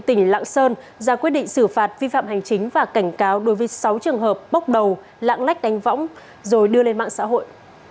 tỉnh lạng sơn ra quyết định xử phạt vi phạm hành chính và cảnh cáo đối với sáu trường hợp bốc đầu lạng lách đánh võng rồi đưa lên mạng xã hội